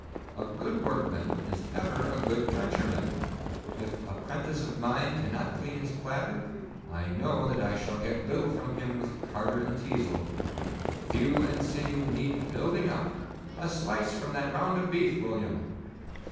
A good workman is ever a good trencherman. If a 'prentice of mine cannot clean his platter, I know that I shall get little from him with carder and teazel. Thew and sinew need building up. A slice from that round of beef, William!